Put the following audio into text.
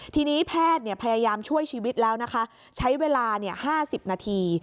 ทีนี้แพทย์พยายามช่วยชีวิตแล้วนะคะใช้เวลา๕๐นาที